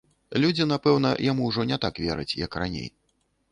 Людзі, напэўна, яму ўжо не так вераць, як раней.